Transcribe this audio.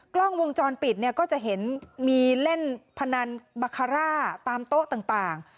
กล้องวงจรปิดเนี่ยก็จะเห็นมีเล่นพนันบาคาร่าตามโต๊ะต่าง